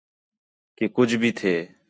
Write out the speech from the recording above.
کہ کُج بھی تھے